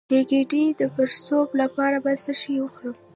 د ګیډې د پړسوب لپاره باید څه شی وخورم؟